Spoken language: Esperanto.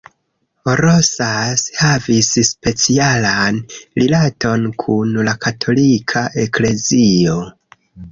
Rosas havis specialan rilaton kun la Katolika Eklezio.